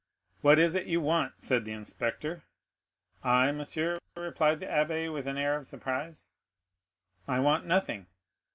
"What is it you want?" said the inspector. "I, monsieur," replied the abbé with an air of surprise,—"I want nothing."